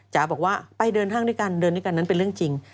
จ๋าบอกว่าไปเดินห้างด้วยกันเดินด้วยกันนั้นเป็นเรื่องจริง